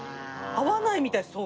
合わないみたいです